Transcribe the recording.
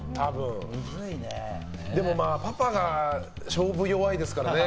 でも、パパが勝負弱いですからね。